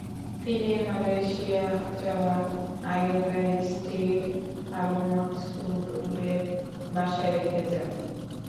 তিনি মালয়েশিয়া যাওয়ার আগে তার স্ত্রীকে খালু মাকসুদুরের বাসায় রেখে যান।